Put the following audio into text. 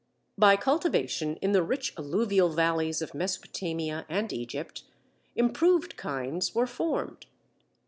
By cultivation in the rich alluvial valleys of Mesopotamia and Egypt, improved kinds were formed.